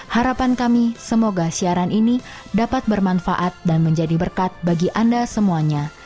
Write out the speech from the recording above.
harapan kami semoga siaran ini dapat bermanfaat dan menjadi berkat bagi anda semuanya